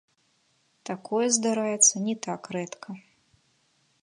Такое здараецца не так рэдка.